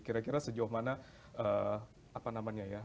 kira kira sejauh mana